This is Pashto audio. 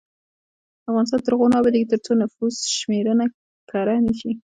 افغانستان تر هغو نه ابادیږي، ترڅو نفوس شمېرنه کره نشي.